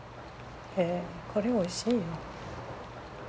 これおいしいよ。